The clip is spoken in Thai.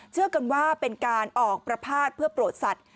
เชื่อกันว่าเป็นการออกประพาทเพื่อโปรดสัตว